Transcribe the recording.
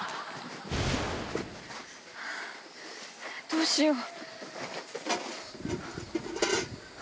どうしよう。